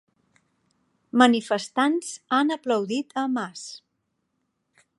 Manifestants han aplaudit a Mas